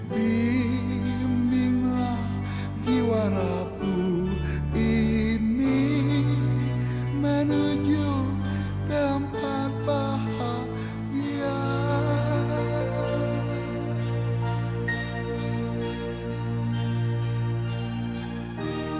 bimbinglah diwaraku ini menuju tempat bahagia